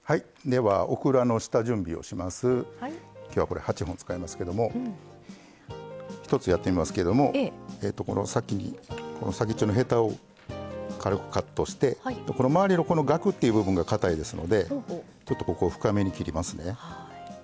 今日はこれ８本使いますけども１つやってみますけどもこの先っちょのヘタを軽くカットしてこの周りのガクっていう部分がかたいですのでちょっとここを深めに切りますね。